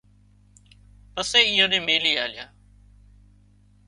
پسي ايئان نين ميلِي آليا